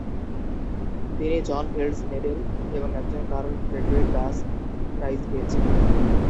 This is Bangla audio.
তিন জন ফিল্ডস মেডেল এবং একজন কার্ল ফ্রেডরিক গাস প্রাইজ পেয়েছেন।